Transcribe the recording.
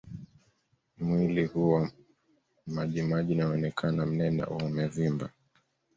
Mwili huwa na majimaji na huonekana mnene au amevimba